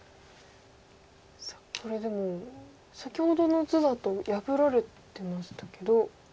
これでも先ほどの図だと破られてましたけど。